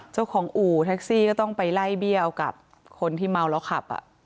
อู่แท็กซี่ก็ต้องไปไล่เบี้ยวกับคนที่เมาแล้วขับ